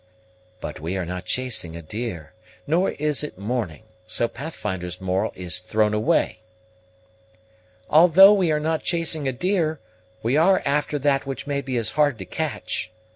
"But we are not chasing a deer, nor is it morning: so Pathfinder's moral is thrown away." "Although we are not chasing a deer, we are after that which may be as hard to catch.